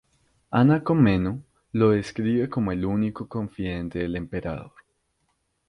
Ana Comneno lo describe como el único confidente del emperador.